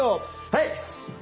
はい！